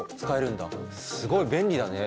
すごい便利だね。